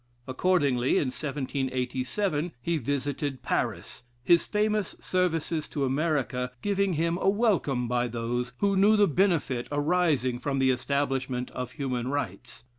Accordingly, in 1787. he visited Paris, his famous services to America giving him a welcome by those who knew the benefit arising from the establishment of human rights.